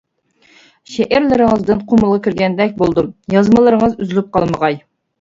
شېئىرلىرىڭىزدىن قۇمۇلغا كىرگەندەك بولدۇم، يازمىلىرىڭىز ئۈزۈلۈپ قالمىغاي!